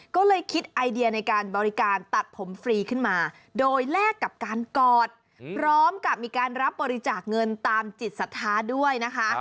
ก็เลยคิดไอเดียในการบริการตัดผมฟรีขึ้นมาโดยแลกกับการกอดพร้อมกับมีการรับบริจาคเงินตามจิตศรัทธาด้วยนะคะ